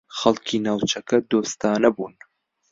خەڵکی ناوچەکە دۆستانە بوون.